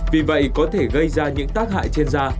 vì vậy có thể gây ra những tác hại trên da